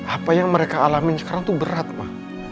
apa yang mereka alamin sekarang tuh berat pak